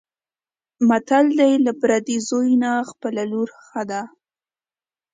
متل دی: له پردي زوی نه خپله لور ښه ده.